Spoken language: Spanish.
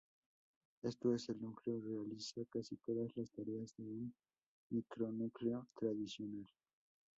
Esto es, el núcleo realiza casi todas las tareas de un micronúcleo tradicional.